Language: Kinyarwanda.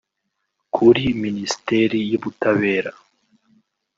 Kuri Ministeri y’ubutabera